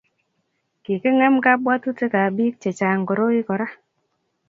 Kikingem kabwatutikab bik chechang koroi kora